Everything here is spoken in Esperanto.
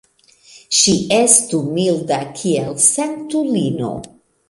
Ŝi estu milda, kiel sanktulino!